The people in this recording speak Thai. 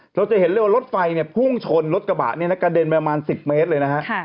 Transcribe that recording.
เราจะเห็นเรื่องรถไฟพุ่งชนรถกระบะกระเด็นไปประมาณ๑๐เมตรเลย